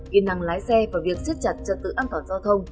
kỹ năng lái xe và việc siết chặt trật tự an toàn giao thông